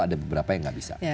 ada beberapa yang nggak bisa